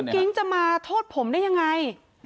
กุ้งกิ๊งจะมาโทษผมได้อย่างไร